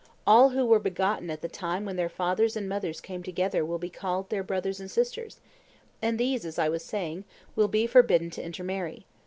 All who were begotten at the time when their fathers and mothers came together will be called their brothers and sisters, and these, as I was saying, will be forbidden to inter marry.